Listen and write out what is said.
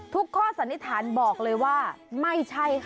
ข้อสันนิษฐานบอกเลยว่าไม่ใช่ค่ะ